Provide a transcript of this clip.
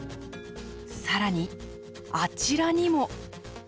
更にあちらにも。